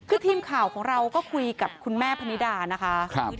คือทีมข่าวของเราก็คุยกับคุณแม่พนิดานะคะ